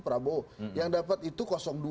prabowo yang dapat itu